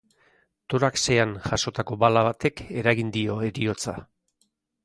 Toraxean jasotako bala batek eragin dio heriotza.